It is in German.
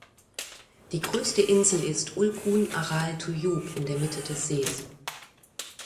Die größte Insel ist "Ul'kun-Aral-Tyube" in der Mitte des Sees.